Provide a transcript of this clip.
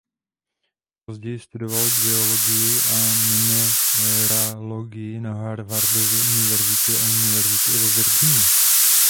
Později studoval geologii a mineralogii na Harvardově univerzitě a University of Virginia.